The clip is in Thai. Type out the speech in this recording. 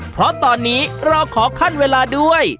เพราะตอนนี้เราขอขั้นเวลาด้วย